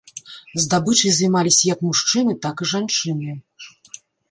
Здабычай займаліся як мужчыны, так і жанчыны.